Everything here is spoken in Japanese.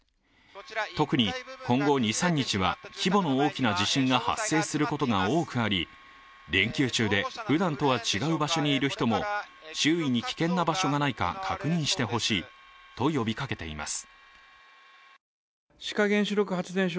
特に今後２３日は規模の大きな地震が発生することが多くあり、連休中でふだんとは違う場所にいる人も周囲に危険な場所がないか確認してほしいと呼びかけています。